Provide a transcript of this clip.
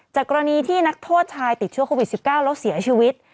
กรณีที่นักโทษชายติดเชื้อโควิด๑๙แล้วเสียชีวิต